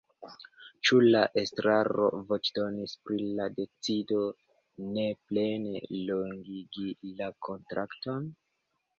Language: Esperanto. Ĉu la estraro voĉdonis pri la decido ne plene longigi la kontrakton?